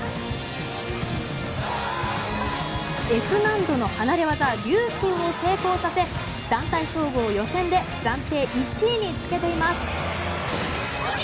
Ｆ難度の離れ技リューキンを成功させ団体総合予選で暫定１位につけています。